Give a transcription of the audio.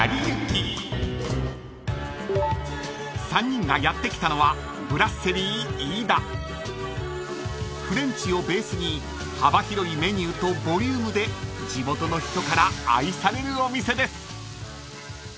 ［３人がやって来たのは］［フレンチをベースに幅広いメニューとボリュームで地元の人から愛されるお店です］